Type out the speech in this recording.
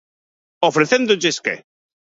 ¿Ofrecéndolles que?